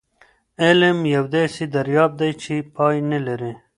علم یو داسې دریاب دی چي پای نه لري.